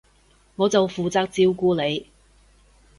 我就負責照顧你